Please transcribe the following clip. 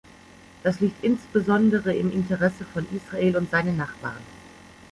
Das liegt insbesondere im Interesse von Israel und seinen Nachbarn.